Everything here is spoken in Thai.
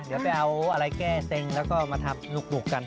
เดี๋ยวไปเอาอะไรแก้เซ็งแล้วก็มาทับลูกบุกกัน